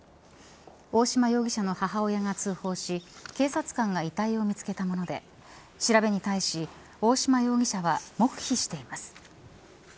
大嶋容疑者の母親が通報し警察官が遺体を見つけたもので調べに対し、大嶋容疑者は黙秘しています。